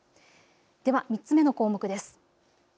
では３つ目の項目です。